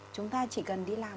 chúng ta chỉ cần đi làm